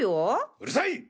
うるさいっ！